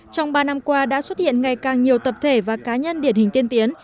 trong ba năm qua đã xuất hiện ngày càng nhiều tập thể và cá nhân điển hình tiên tiến